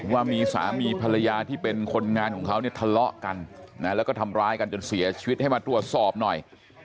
ว่ามีสามีภรรยาที่เป็นคนงานของเขาเนี่ยทะเลาะกันนะแล้วก็ทำร้ายกันจนเสียชีวิตให้มาตรวจสอบหน่อย